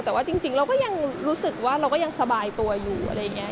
แต่ว่าจริงเราก็ยังรู้สึกว่าเราก็ยังสบายตัวอยู่อะไรอย่างนี้